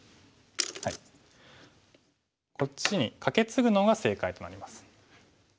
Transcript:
こっちにカケツグのが正解となります。